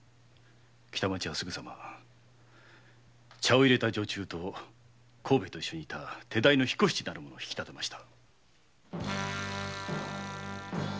北町は茶を入れた女中と甲兵衛と一緒にいた手代の彦七なる者を引き立てました。